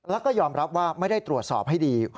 แล้วก็ยอมรับว่าไม่ได้ตรวจสอบให้ดี